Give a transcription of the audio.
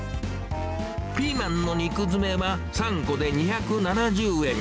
ピーマンの肉詰めは、３個で２７０円。